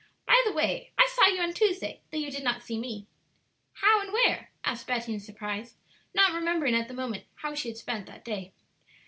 By the way, I saw you on Tuesday, though you did not see me." "How and where?" asked Betty in surprise, not remembering at the moment how she had spent that day.